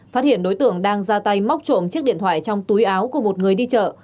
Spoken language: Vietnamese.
phát hiện đối tượng đang ra tay móc trộm chiếc điện thoại trong túi áo của một người đi chợ